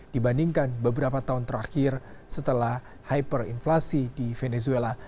dibandingkan beberapa tahun terakhir setelah hyperinflasi di venezuela